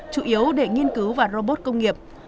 chủ yếu để nghiên cứu vào robot công nghiệp